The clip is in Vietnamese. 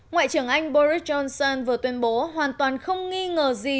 ngoại trưởng anh boris johnson vừa tuyên bố hoàn toàn không nghi ngờ gì